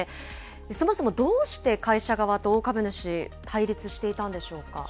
そもそもどうして、会社側と大株主、対立していたんでしょうか。